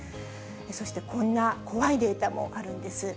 そしてこんな怖いデータもあるんです。